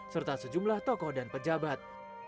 serta sejumlah tokoh dan pejabat